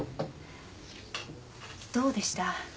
どうでした？